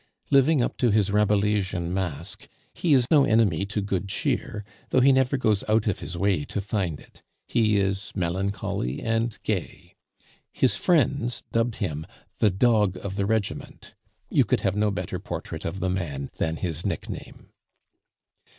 Living up to his Rabelaisian mask, he is no enemy to good cheer, though he never goes out of his way to find it; he is melancholy and gay. His friends dubbed him the "Dog of the Regiment." You could have no better portrait of the man than his nickname.